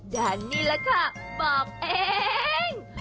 ดานนี้ล่ะค่ะบอกเอง